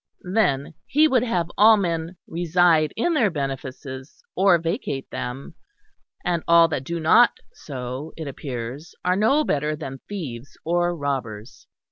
Then he would have all men reside in their benefices or vacate them; and all that do not so, it appears, are no better than thieves or robbers.